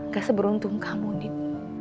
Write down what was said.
gak seberuntung kamu din